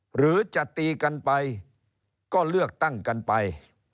หรือจะตีกันไปก็เลือกตั้งกันไป